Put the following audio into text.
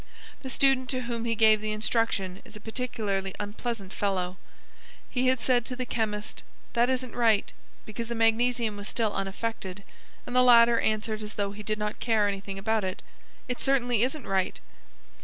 The student to whom he gave the instruction is a particularly unpleasant fellow; he had said to the chemist: "That isn't right," because the magnesium was still unaffected, and the latter answered as though he did not care anything about it: "It certainly isn't right."